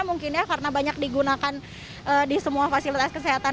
mungkin ya karena banyak digunakan di semua fasilitas kesehatan